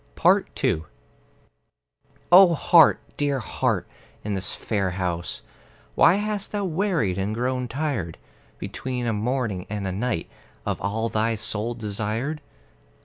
II O Heart, dear Heart, in this fair house Why hast thou wearied and grown tired, Between a morning and a night, Of all thy soul desired?